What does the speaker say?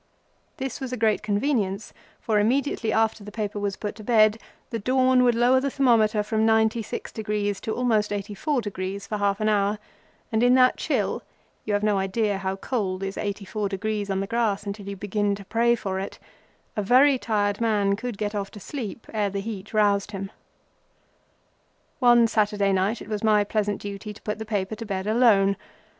This was a great convenience, for immediately after the paper was put to bed, the dawn would lower the thermometer from 96° to almost 84° for almost half an hour, and in that chill—you have no idea how cold is 84° on the grass until you begin to pray for it—a very tired man could set off to sleep ere the heat roused him. One Saturday night it was my pleasant duty to put the paper to bed alone.